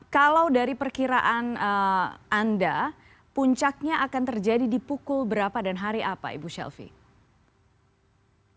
kalau dari perkiraan anda puncaknya akan terjadi di pukul berapa dan hari apa ibu shelfie